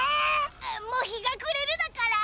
もう日がくれるだから。